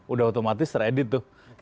udah otomatis teredit tuh